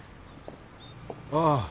ああ。